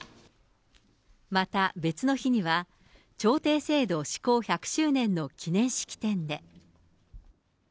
また、別の日には、調停制度施行１００周年の記念式典で。